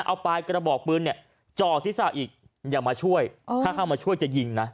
เอาปลายกระบอกปืนเนี่ยจ่อศีรษะอีกอย่ามาช่วยถ้าเข้ามาช่วยจะยิงนะ